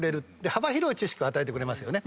幅広い知識を与えてくれますよね